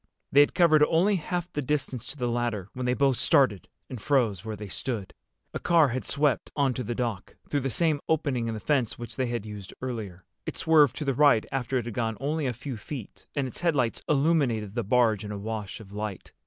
They had covered only half the distance to the ladder when they both started and froze where they stood. A car had swept onto the dock, through the same opening in the fence which they had used earlier. It swerved to the right after it had gone only a few feet, and its headlights illuminated the barge in a wash of light.